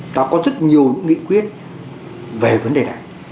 đã có rất nhiều những nghị quyết về vấn đề này